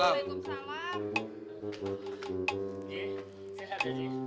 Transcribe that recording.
nanti kenapa napa lagi ya